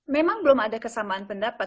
memang belum ada kesamaan pendapat